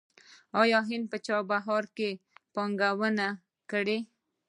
آیا هند په چابهار کې پانګونه کړې؟